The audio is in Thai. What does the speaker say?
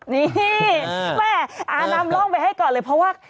นำล่องไปให้ก่อนเลยเพราะว่า